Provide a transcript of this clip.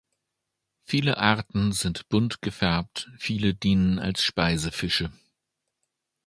Viele Arten sind bunt gefärbt, viele dienen als Speisefische.